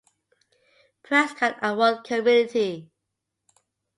Prescott Award Committee.